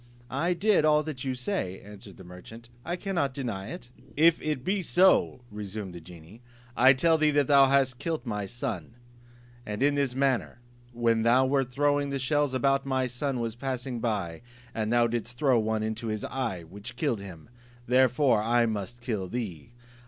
"I did all that you say," answered the merchant, "I cannot deny it." "If it be so," resumed the genie, "I tell thee that thou hast killed my son; and in this manner: When thou wert throwing the shells about, my son was passing by, and thou didst throw one into his eye, which killed him; therefore I must kill thee."